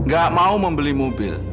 gak mau membeli mobil